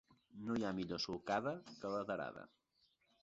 No hi ha millor solcada que la d'arada.